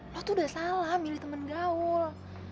lo tuh udah salah milih teman gaul